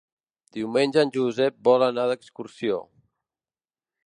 Diumenge en Josep vol anar d'excursió.